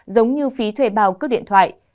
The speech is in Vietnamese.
giống như phí thuê bào cước điện thoại